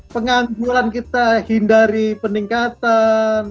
pengangguran kita hindari peningkatan